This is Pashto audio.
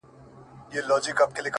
• یو سپین ږیری وو ناروغه له کلونو,